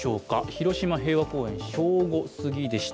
広島平和公園、正午すぎでした。